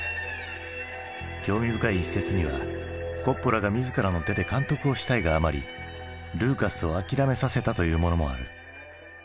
興味深い一説にはコッポラが自らの手で監督をしたいがあまりルーカスを諦めさせたというものもある。